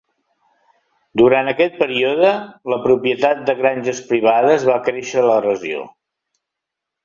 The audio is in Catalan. Durant aquest període, la propietat de granges privades va créixer a la regió.